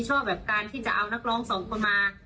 ชอบแบบการที่จะเอานักร้องสองคนมา